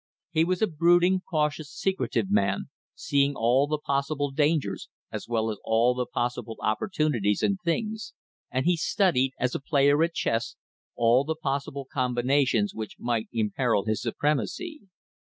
He was a brooding, cautious, secretive man, seeing all the possible dangers as well as all the possible opportunities in things, and he studied, as a player at chess, all the possible combinations which might imperil his supremacy.